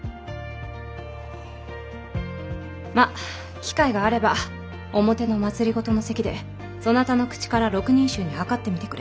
まぁ機会があれば表の政の席でそなたの口から６人衆にはかってみてくれ。